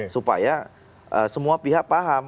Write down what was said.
supaya semua pihak paham